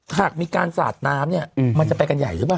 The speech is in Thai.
ถ้าหากมีการสาดน้ำเนี่ยมันจะไปกันใหญ่ใช่ปะ